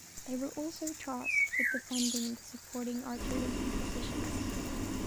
They were also tasked with defending the supporting artillery positions.